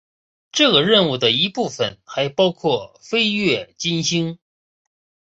这个任务的一部分还包括飞越金星。